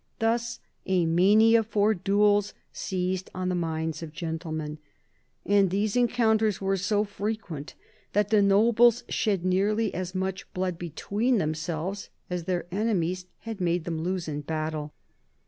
Thus a mania for duels seized on the minds of gentlemen. And these encounters were so frequent that the nobles shed nearly as much blood between themselves as their enemies had made them lose in battle."